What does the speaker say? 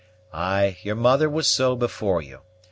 "Ay, your mother was so before you.